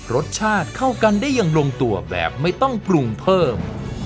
รสชาติเข้ากันได้อย่างลงตัวแบบไม่ต้องปรุงเพิ่ม